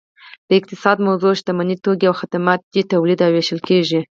د اقتصاد موضوع شتمني توکي او خدمات دي چې تولید او ویشل کیږي